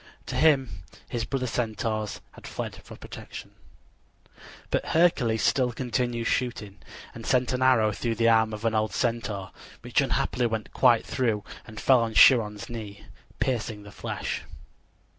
To him his brother Centaurs had fled for protection. But Hercules still continued shooting, and sent an arrow through the arm of an old Centaur, which unhappily went quite through and fell on Chiron's knee, piercing the flesh.